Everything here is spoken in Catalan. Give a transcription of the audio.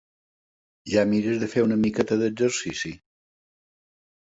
Ja mires de fer una miqueta d'exercici?